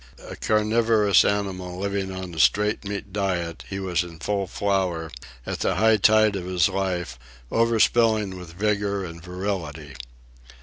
A carnivorous animal living on a straight meat diet, he was in full flower, at the high tide of his life, overspilling with vigor and virility.